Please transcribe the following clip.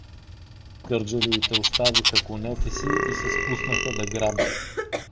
Кърджалиите оставиха конете си и се спуснаха да грабят.